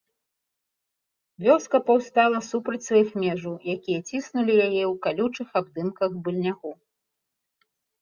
Вёска паўстала супраць сваіх межаў, якія ціснулі яе ў калючых абдымках быльнягу.